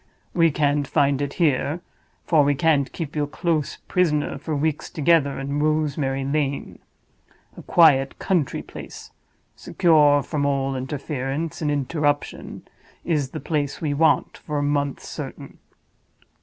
We can't find it here—for we can't keep you a close prisoner for weeks together in Rosemary Lane. A quiet country place, secure from all interference and interruption, is the place we want for a month certain.